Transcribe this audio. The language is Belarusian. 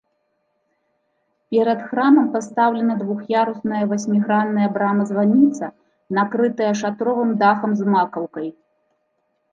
Перад храмам пастаўлена двух'ярусная васьмігранная брама-званіца, накрытая шатровым дахам з макаўкай.